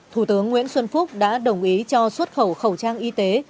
thủ tướng nguyễn xuân phúc đã đồng ý cho xuất khẩu khẩu trang y tế